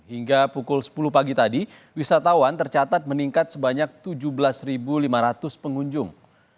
hingga pukul sepuluh pagi tadi wisatawan tercatat meningkat sebanyak tujuh belas lima ratus pengunjung